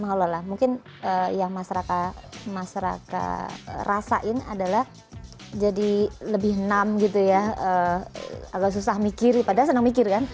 mengelola mungkin yang masyarakat rasain adalah jadi lebih num gitu ya agak susah mikir padahal senang mikir kan